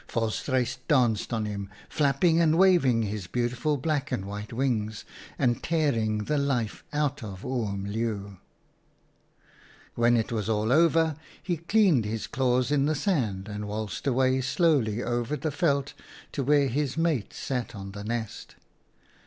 " Volstruis danced on him, flapping and waving his beautiful black and white wings, and tearing the life out of Oom Leeuw. " When it was all over, he cleaned his claws in the sand and waltzed away slowly over the veld to where his mate sat on the nest.